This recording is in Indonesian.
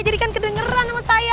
kan kedengeran sama saya